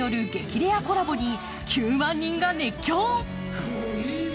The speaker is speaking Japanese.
レアコラボに９万人が熱狂。